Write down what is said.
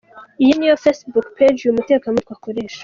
Iyi ni yo Facebook Page uyu mutekamutwe akoresha.